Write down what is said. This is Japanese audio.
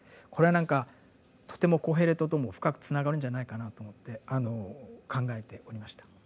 これは何かとてもコヘレトとも深くつながるんじゃないかなと思って考えておりました。